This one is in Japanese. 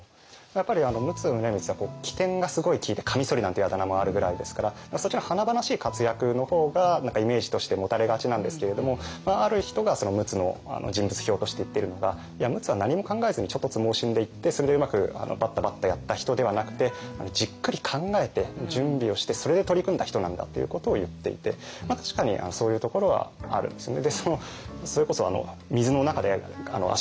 やっぱり陸奥宗光は機転がすごい利いてカミソリなんていうあだ名もあるぐらいですからそっちの華々しい活躍の方が何かイメージとして持たれがちなんですけれどもある人が陸奥の人物評として言ってるのがいや陸奥は何も考えずに猪突猛進でいってそれでうまくバッタバッタやった人ではなくてじっくり考えて準備をしてそれで取り組んだ人なんだということを言っていて確かにそういうところはあるんですね。